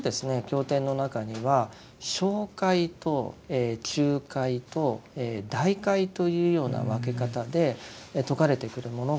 経典の中には小戒と中戒と大戒というような分け方で説かれてくるものがあります。